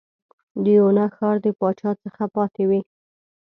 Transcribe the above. د یونا ښار د پاچا څخه پاتې وې.